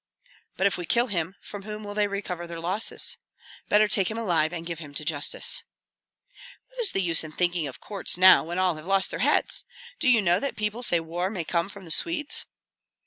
"But if we kill him, from whom will they recover their losses? Better take him alive and give him to justice." "What is the use in thinking of courts now when all have lost their heads? Do you know that people say war may come from the Swedes?"